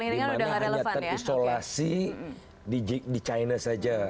di mana hanya terisolasi di china saja